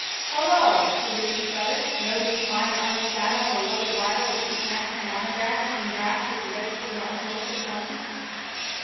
"Hullo," said the biggest brother, noting the fine army saddle and the leather bridle with its national monogram in brass as the redskin brought his horse to its haunches.